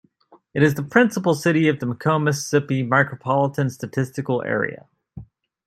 It is the principal city of the McComb, Mississippi Micropolitan Statistical Area.